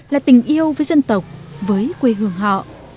là tình yêu với dân tộc với quê hương họ